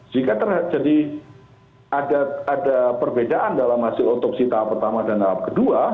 jika terjadi ada perbedaan dalam hasil otopsi tahap pertama dan tahap kedua